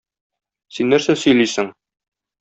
Син нәрсә сөйлисең?